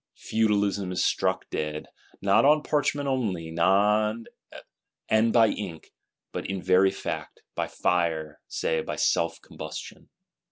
Feudalism is struck dead; not on parchment only, and by ink; but in very fact, by fire; say, by self combustion.